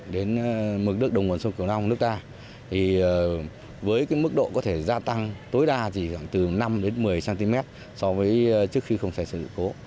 đến mức nước đồng bằng sông kiều long nước ta với mức độ có thể gia tăng tối đa chỉ từ năm một mươi cm so với trước khi không xảy ra sự cố